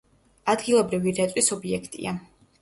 ადგილობრივი რეწვის ობიექტია.